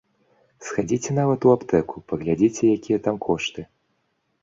Схадзіце нават у аптэку, паглядзіце якія там кошты.